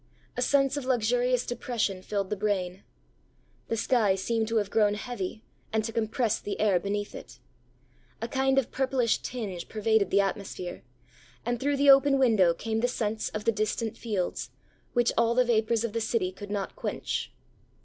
A sense of luxurious depression filled the brain. The sky seemed to have grown heavy, and to compress the air beneath it. A kind of purplish tinge pervaded the atmosphere, and through the open window came the scents of the distant fields, which all the vapours of the city could not quench.